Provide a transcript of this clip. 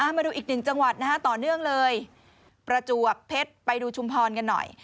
มาดูอีกหนึ่งจังหวัดนะฮะต่อเนื่องเลยประจวบเพชรไปดูชุมพรกันหน่อย